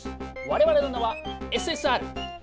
われわれの名は「ＳＳＲ」！